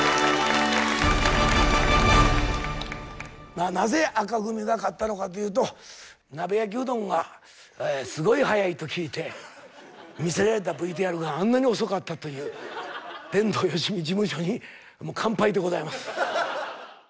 まあなぜ紅組が勝ったのかというと鍋焼きうどんがすごい速いと聞いて見せられたＶＴＲがあんなに遅かったという天童よしみ事務所に完敗でございます。